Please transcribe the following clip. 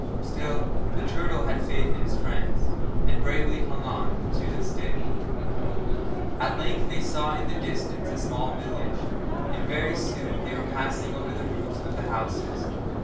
Still, the turtle had faith in his friends, and bravely hung on to the stick. At length they saw in the distance a small village, and very soon they were passing over the roofs of the houses.